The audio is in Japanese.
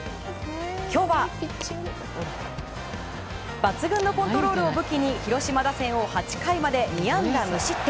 今日は抜群のコントロールを武器に広島打線を８回まで２安打無失点。